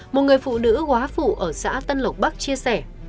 một người phụ nữ quá phụ ở xã tân lộc bắc chia sẻ